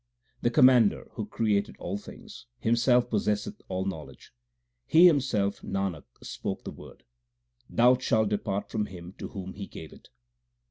The Commander, who created all things, Himself possesseth all knowledge. He Himself, Nanak, spoke the Word Doubt shall depart from him to whom He gave it.